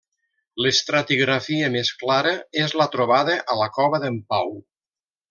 L'estratigrafia més clara és la trobada a la cova d'en Pau.